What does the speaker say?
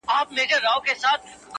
اې ښكلي پاچا سومه چي ستا سومه;